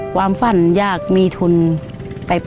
ความฝันยากมีทุนไปประสบคุณค่ะ